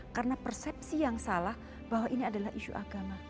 karena persepsi yang salah bahwa ini adalah issue agama